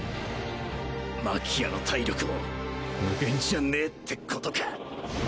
マキアの体力も無限じゃねぇってことか